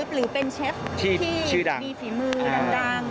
หรือเป็นเชฟที่มีฝีมือดัง